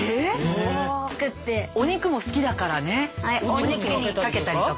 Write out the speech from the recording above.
お肉にかけたりとか？